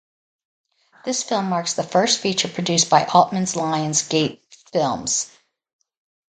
This film marks the first feature produced by Altman's Lions' Gate Films.